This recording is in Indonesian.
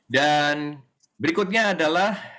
dan berikutnya adalah